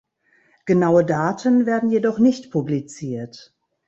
Genaue Daten werden jedoch nicht publiziert.